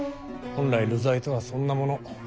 本来流罪とはそんなもの。